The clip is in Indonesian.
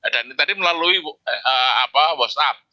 dan tadi melalui whatsapp